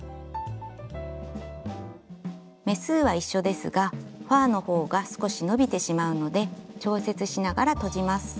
目数は一緒ですがファーのほうが少し伸びてしまうので調節しながらとじます。